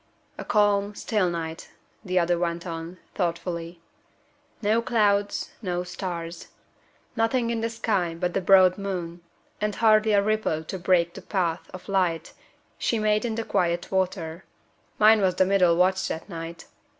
"A calm, still night," the other went on, thoughtfully. "No clouds, no stars. Nothing in the sky but the broad moon, and hardly a ripple to break the path of light she made in the quiet water. Mine was the middle watch that night.